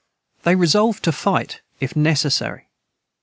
They resolved to fight, if necessary.